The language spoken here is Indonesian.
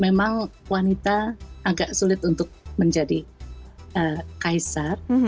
memang wanita agak sulit untuk menjadi kaisar